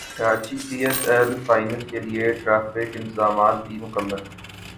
Karachi P S L final کیلئے traffic انتظامات بھی مکمل